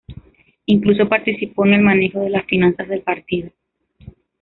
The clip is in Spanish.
Incluso participó en el manejo de las finanzas del partido.